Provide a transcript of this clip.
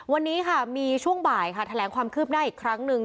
วันนี้ค่ะมีช่วงบ่ายค่ะแถลงความคืบหน้าอีกครั้งหนึ่ง